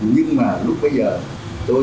nhưng mà lúc bây giờ tôi